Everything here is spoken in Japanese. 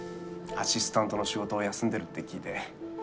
アシスタントの仕事を休んでるって聞いて。